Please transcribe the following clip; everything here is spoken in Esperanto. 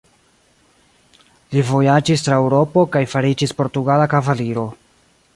Li vojaĝis tra Eŭropo kaj fariĝis portugala kavaliro.